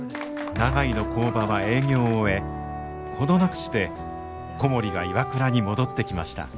長井の工場は営業を終え程なくして小森がＩＷＡＫＵＲＡに戻ってきました。